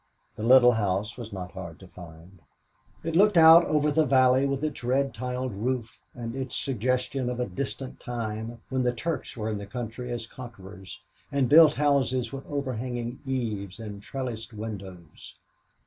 The little house was not hard to find. It looked out over the valley with its red tiled roof and its suggestion of a distant time when the Turks were in the country as conquerors and built houses with overhanging eaves and trellised windows.